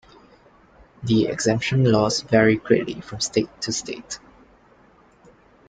The exemption laws vary greatly from state to state.